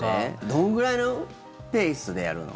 どのぐらいのペースでやるの？